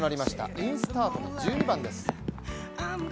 インスタートの１２番です。